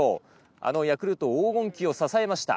あのヤクルト黄金期を支えました。